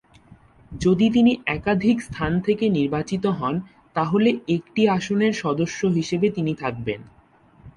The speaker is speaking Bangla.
যদি তিনি একাধিক স্থান থেকে নির্বাচিত হন, তাহলে একটি আসনের সদস্য হিসেবে তিনি থাকবেন।